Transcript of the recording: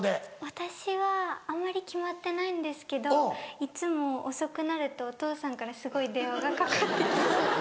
私はあんまり決まってないんですけどいつも遅くなるとお父さんからすごい電話がかかって来ます。